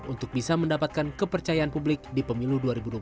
untuk bisa mendapatkan kepercayaan publik di pemilu dua ribu dua puluh empat